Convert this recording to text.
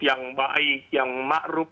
yang baik yang makrup